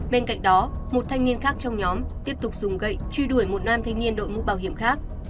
bên cạnh đó một thanh niên khác trong nhóm tiếp tục dùng gậy truy đuổi một nam thanh niên đội mũ bảo hiểm khác